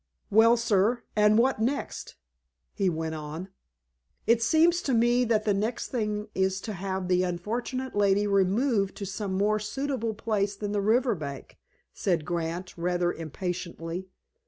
"Well, sir, and what next?" he went on. "It seems to me that the next thing is to have the unfortunate lady removed to some more suitable place than the river bank," said Grant, rather impatiently.